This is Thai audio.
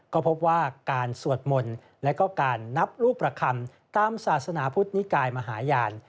ก็พบว่าการสวดมนต์และก็การนับลูกประคำตามศาสนาพุทธนิกายมหาญาณ